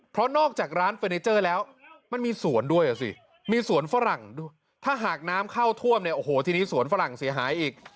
เพราะนอกจากร้านเฟอร์เนเจอร์แล้วมันมีสวนด้วยอ่ะสิมีสวนฝรั่งถ้าหากน้ำเข้าท่วมเนี่ยโอ้โหทีนี้สวนฝรั่งเสียหายอีก